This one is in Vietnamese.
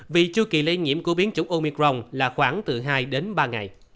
vì chưa kỳ lây nhiễm của biến chủng omicron là khoảng từ hai ba ngày